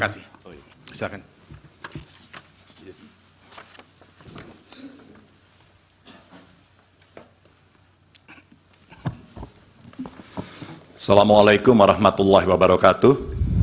assalamu alaikum warahmatullahi wabarakatuh